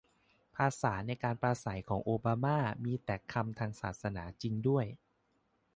ภาษาในการปราศรัยของโอบาม่า มีแต่คำทางศาสนาจริงด้วย